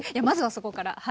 まずはそこから。